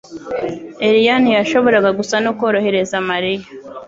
Eliya ntiyashoboraga gusa no korohereza Mariya.